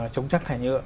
chống chắc thải nhựa